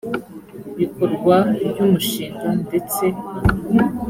bikorwa ry umushinga ndetse